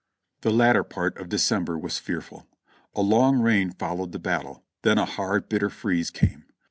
The latter part of December was fearful : a long rain followed the battle, then a hard, bitter freeze came.